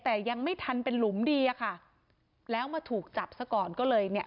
แต่ยังไม่ทันเป็นหลุมดีอะค่ะแล้วมาถูกจับซะก่อนก็เลยเนี่ย